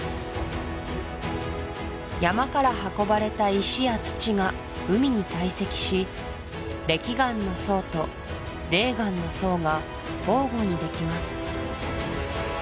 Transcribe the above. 山から運ばれた石や土が海に堆積し礫岩の層と泥岩の層が交互にできます